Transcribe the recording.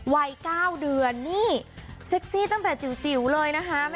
วัยก้าวเดือนเซ็กซี่จนแต่จิ๋วเลยนะคะ